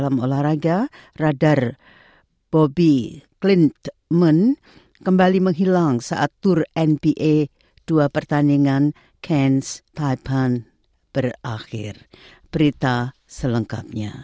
men kembali menghilang saat tur nba dua pertandingan cairns typhan berakhir berita selengkapnya